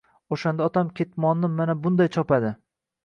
O‘shanda otam: “Ketmonni mana bunday chopadi.